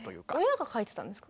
親が書いてたんですか？